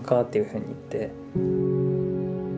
っていうふうに言って。